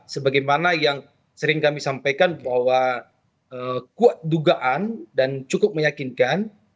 sebagaimana yang sering kami sampaikan bahwa kuat dugaan dan cukup meyakinkan